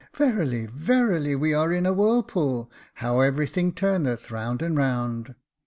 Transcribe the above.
" Verily, verily, we are in a whirlpool — how every thing turneth round and round